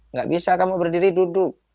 nggak bisa kamu berdiri duduk